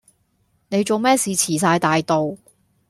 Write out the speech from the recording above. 你仲咩事遲晒大到？